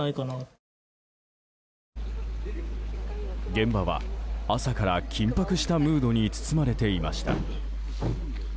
現場は朝から緊迫したムードに包まれていました。